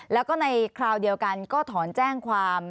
แล้วก็ในคราวเดียวกันก็ถอนแจ้งความ